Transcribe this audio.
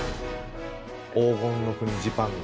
黄金の国ジパング。